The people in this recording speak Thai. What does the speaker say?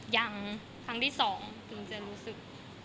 ยังครั้งที่๒ถึงจะรู้สึก